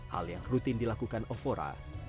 hal yang rutin dilakukan ovora